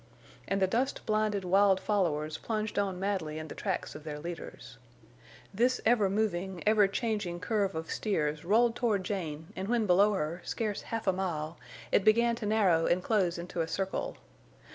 And the dust blinded wild followers plunged on madly in the tracks of their leaders. This ever moving, ever changing curve of steers rolled toward Jane and when below her, scarce half a mile, it began to narrow and close into a circle.